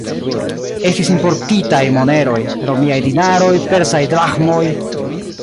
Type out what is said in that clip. Estis importitaj moneroj: romiaj dinaroj, persaj draĥmoj...